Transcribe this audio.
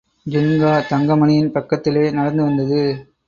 ஜின்கா தங்கமணியின் பக்கத்திலே நடந்து வந்தது.